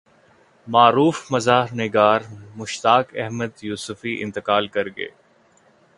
معروف مزاح نگار مشتاق احمد یوسفی انتقال کرگئے